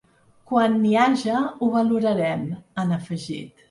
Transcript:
Quan n’hi haja, ho valorarem, han afegit.